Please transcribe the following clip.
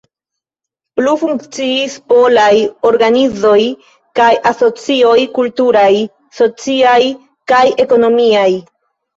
Plu funkciis polaj organizoj kaj asocioj kulturaj, sociaj kaj ekonomiaj.